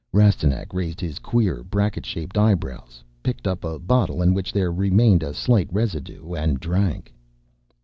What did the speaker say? Rastignac raised his queer, bracket shaped eyebrows, picked up a bottle in which there remained a slight residue, and drank.